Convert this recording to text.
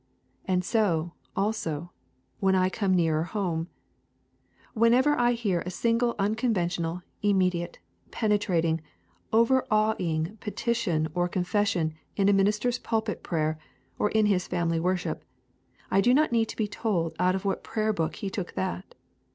And so, also, when I come nearer home. Whenever I hear a single unconventional, immediate, penetrating, overawing petition or confession in a minister's pulpit prayer or in his family worship, I do not need to be told out of what prayer book he took that.